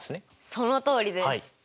そのとおりです。